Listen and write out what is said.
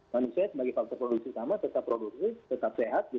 manusia sebagai faktor produksi utama tetap produktif tetap sehat